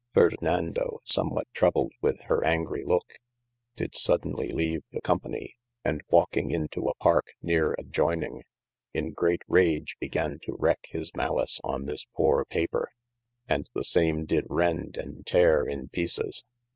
Ferdinando somewhat troubled with hir angrie looke, did sodenly leave the companie, and walking into a parke neare adjoyning, in great rage began to wreake his malice on this poore paper, and the same did rend and teare in peeces.